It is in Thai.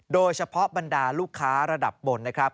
โดยเฉพาะบรรดาลูกค้าระดับบนนะครับ